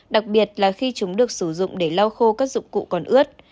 đặc biệt là khi chúng được sử dụng để lau khô các dụng cụ còn ướt